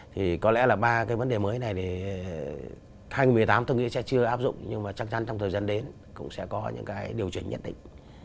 thì có lẽ là ba cái vấn đề mới này thì hai nghìn một mươi tám tôi nghĩ sẽ chưa áp dụng nhưng mà chắc chắn trong thời gian đến cũng sẽ có những cái điều chỉnh nhất định